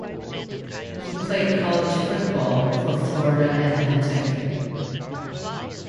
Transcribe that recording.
He played college football for Florida Atlantic.